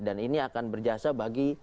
dan ini akan berjasa bagi